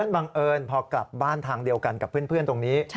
บังเอิญพอกลับบ้านทางเดียวกันกับเพื่อนตรงนี้